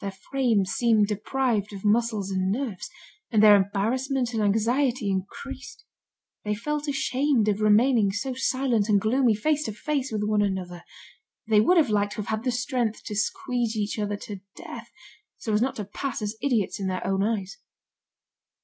Their frames seemed deprived of muscles and nerves, and their embarrassment and anxiety increased. They felt ashamed of remaining so silent and gloomy face to face with one another. They would have liked to have had the strength to squeeze each other to death, so as not to pass as idiots in their own eyes.